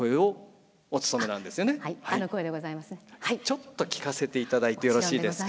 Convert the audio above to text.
ちょっと聞かせていただいてよろしいですか。